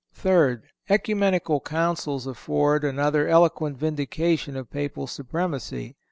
Third—Ecumenical Councils afford another eloquent vindication of Papal supremacy.